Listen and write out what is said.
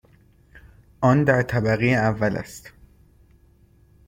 آن در طبقه اول است.